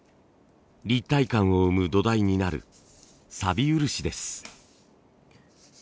立体感を生む土台になる錆漆です。